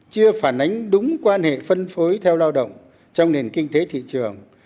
chưa phản ánh đúng quan hệ phân phối theo lao động trong nền kinh tế thị trường